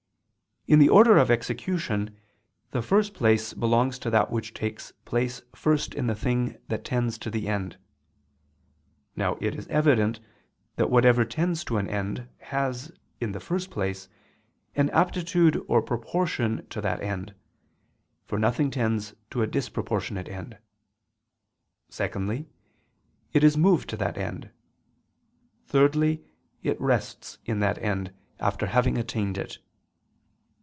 In the order of execution, the first place belongs to that which takes place first in the thing that tends to the end. Now it is evident that whatever tends to an end, has, in the first place, an aptitude or proportion to that end, for nothing tends to a disproportionate end; secondly, it is moved to that end; thirdly, it rests in the end, after having attained it.